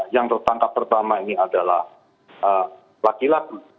yang tertangkap pertama ini adalah laki laki